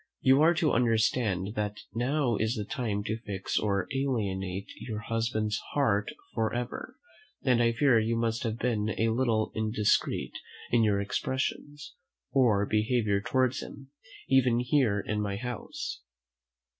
You are to understand, that now is the time to fix or alienate your husband's heart for ever; and I fear you have been a little indiscreet in your expressions or behaviour towards him, even here in my house."